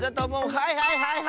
はいはいはいはい！